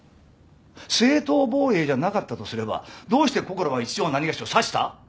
正当防衛じゃなかったとすればどうしてこころは一条なにがしを刺した？